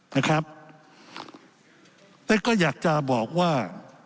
นะครับและก็อยากจะบอกว่า